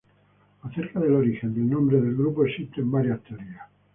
Acerca del origen del nombre del grupo existen varias teorías.